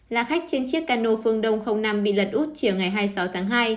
là khách trên chiếc cano phương đông năm bị lật út chiều ngày hai mươi sáu tháng hai